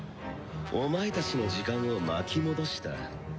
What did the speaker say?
お前たちの時間を巻き戻した。